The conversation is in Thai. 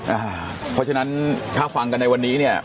เพราะฉะนั้นถ้าฟังกันในวันนี้เนี่ย